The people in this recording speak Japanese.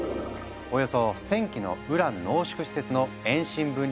およそ１，０００基のウラン濃縮施設の遠心分離機を破壊したんだ。